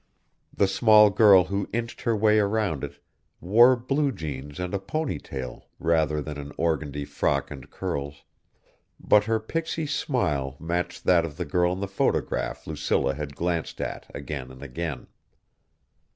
The small girl who inched her way around it wore blue jeans and a pony tail rather than an organdy frock and curls, but her pixie smile matched that of the girl in the photograph Lucilla had glanced at again and again.